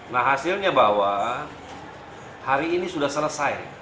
nah hasilnya bahwa hari ini sudah selesai